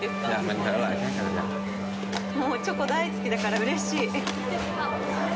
もうチョコ大好きだから、うれしい。